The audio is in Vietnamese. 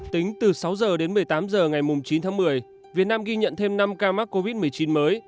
tính từ sáu h đến một mươi tám h ngày chín tháng một mươi việt nam ghi nhận thêm năm ca mắc covid một mươi chín mới